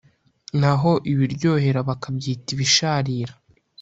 naho ibiryohera bakabyita ibisharira.